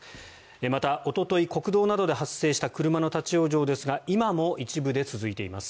また、おととい国道などで発生した車の立ち往生ですが今も一部で続いています。